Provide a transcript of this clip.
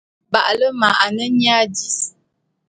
Ba’ale’e ma ane nyia dis.